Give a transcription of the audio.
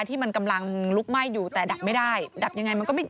ที่มันกำลังลุกไหม้อยู่แต่ดับไม่ได้ดับยังไงมันก็ไม่